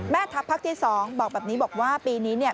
ทัพภาคที่๒บอกแบบนี้บอกว่าปีนี้เนี่ย